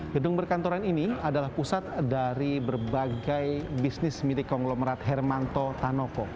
gedung berkantoran ini adalah pusat dari berbagai bisnis milik konglomerat hermanto tanoko